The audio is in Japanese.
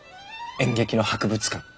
演劇の博物館？